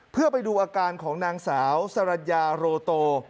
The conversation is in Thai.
เพื่อไปดูอาการของนางสาวสรรญาโรโต